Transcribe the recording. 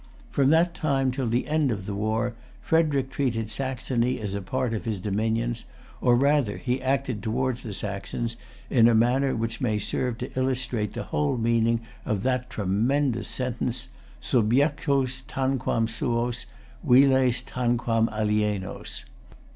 From that time till the end of[Pg 305] the war, Frederic treated Saxony as a part of his dominions, or, rather, he acted towards the Saxons in a manner which may serve to illustrate the whole meaning of that tremendous sentence, "subjectos tanquam suos, viles tanquam alienos."